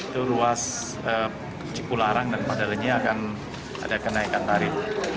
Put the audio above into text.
di cipularang dan pada lenyi akan ada kenaikan tarif